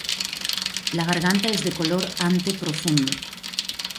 La garganta es de color ante profundo.